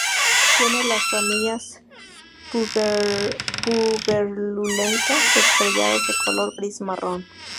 Tiene las ramillas puberulentas estrelladas de color gris-marrón.